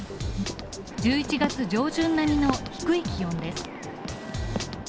１１月上旬並みの低い気温です。